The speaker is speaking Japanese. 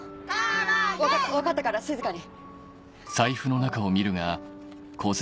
分かった分かったから静かに。